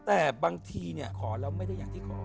แต่บางทีขอแล้วไม่ได้อย่างที่ขอ